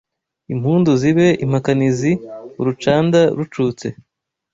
Impundu zibe impakanizi Urucanda rucutse